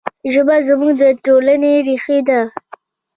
ژبه زموږ د ټولنې ریښه ده.